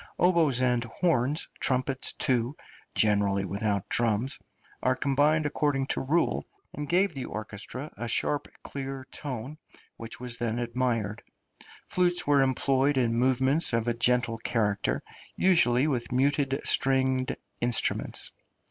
Oboes and horns, trumpets too (generally without drums), are combined according to rule, and gave the orchestra a sharp clear tone, which was then admired; flutes were employed in movements of a gentle character, usually with muted stringed instruments.